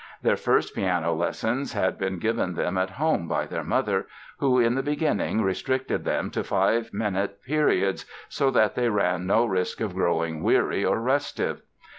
Their first piano lessons had been given them at home by their mother who, in the beginning restricted them to five minute periods so that they ran no risk of growing weary or restive.